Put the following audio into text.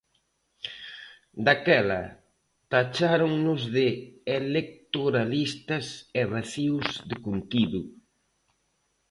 Daquela tacháronnos de electoralistas e vacíos de contido.